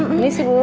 ini sih bu